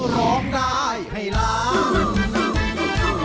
ร้องได้ให้ล้าน